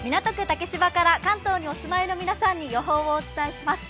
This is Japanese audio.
竹芝から関東にお住まいの皆さんに予報をお伝えします。